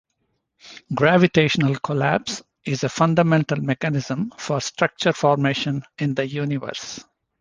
Gravitational collapse is a fundamental mechanism for structure formation in the universe.